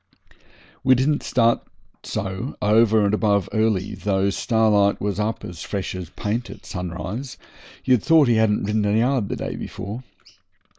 We didn't start so over and above early, though Starlight was up as fresh as paint at sunrise, you'd thought he hadn't ridden a yard the day before.